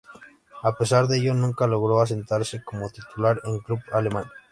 A pesar de ello, nunca logró asentarse como titular en club alemán.